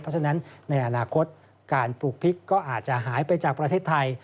เพราะฉะนั้นในอนาคตการปลูกพริกก็อาจจะหายไปจากประเทศไทย